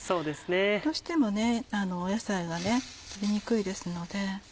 どうしても野菜が取りにくいですので。